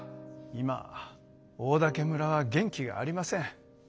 今オオダケ村は元気がありません。